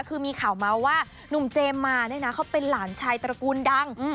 คือมีข่าวเมาส์ว่าหนุ่มเจมส์มาเนี่ยนะเขาเป็นหลานชายตระกูลดัง